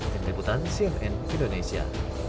dendam deputan cnn indonesia